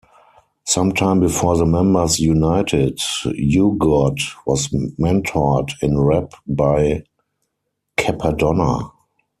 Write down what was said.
Sometime before the members united, U-God was mentored in rap by Cappadonna.